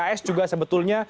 apakah pks juga sebetulnya